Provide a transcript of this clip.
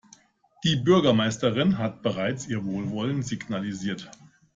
Die Bürgermeisterin hat bereits ihr Wohlwollen signalisiert.